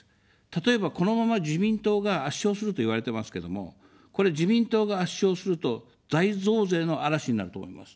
例えば、このまま自民党が圧勝すると言われてますけども、これ、自民党が圧勝すると、大増税の嵐になると思います。